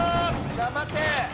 頑張って！